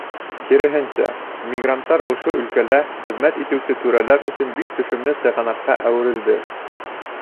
Киреһенсә, мигранттар ошо өлкәлә хеҙмәт итеүсе түрәләр өсөн бик төшөмлө сығанаҡҡа әүерелде.